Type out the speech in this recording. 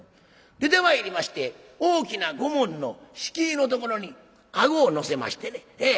出てまいりまして大きなご門の敷居のところに顎を乗せましてねええ。